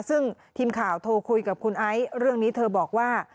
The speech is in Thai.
ซึ่งทีมข่าวโทรคุยกับคุณไอซ์เรื่องนี้เธอบอกว่า